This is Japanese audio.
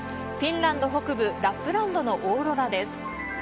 フィンランド北部ラップランドのオーロラです。